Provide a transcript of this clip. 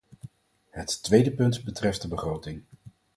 Het tweede punt betreft de begroting.